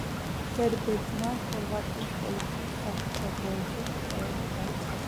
სერბებმა ხორვატიის პოლიციის საგუშაგოებზე შეტევები დაიწყეს.